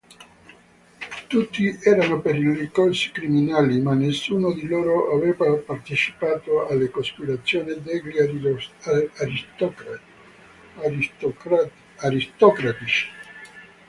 Tutti erano pericolosi criminali, ma nessuno di loro aveva partecipato alle cospirazioni degli aristocratici.